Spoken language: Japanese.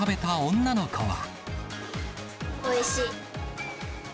おいしい。